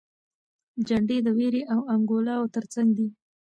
جنډې د ویر او انګولاوو تر څنګ دي.